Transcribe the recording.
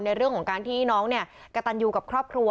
ในเรื่องของการที่น้องเนี่ยกระตันอยู่กับครอบครัว